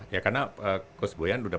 ya karena coach boyan udah pernah